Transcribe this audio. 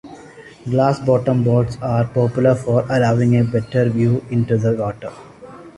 Glass-bottom boats are popular for allowing a better view into the water.